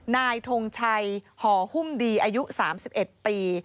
นายทงชัยห่อหุ้มดีอายุ๓๑ปี